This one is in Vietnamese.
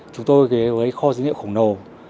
chúng tôi với kho dữ liệu khổng lồ